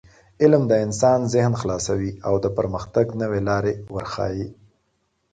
علم د انسان ذهن خلاصوي او د پرمختګ نوې لارې ورښيي.